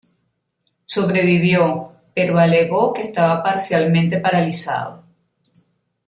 Sobrevivió, pero alegó que estaba parcialmente paralizado.